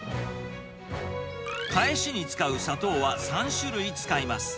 かえしに使う砂糖は３種類使います。